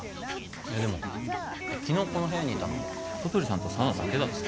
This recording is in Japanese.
いやでも昨日この部屋にいたの小鳥さんと佐奈だけだぞ？